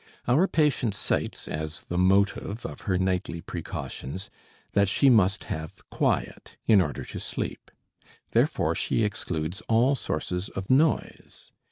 Our patient cites as the motive of her nightly precautions that she must have quiet in order to sleep; therefore she excludes all sources of noise.